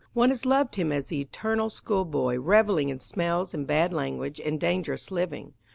One has loved him as the eternal schoolboy revelling in smells and bad language and dangerous living.